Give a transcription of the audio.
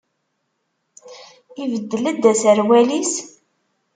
Ibeddel-d aserwal-is?